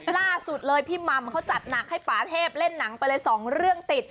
ล่าสุดเลยพี่มัมเขาจัดหนักให้ป่าเทพเล่นหนังไปเลย๒เรื่องติด